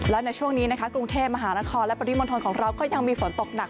และในช่วงนี้นะคะกรุงเทพมหานครและปริมณฑลของเราก็ยังมีฝนตกหนัก